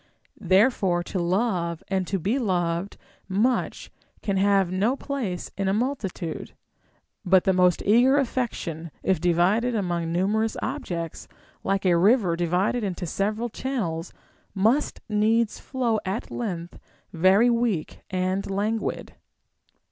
Therefore to love and to be be loved much can have no place in a multitude ; but the most eager affection, if divided among numerous objects, like a river divided into several channels, must needs flow at length very weak and languid.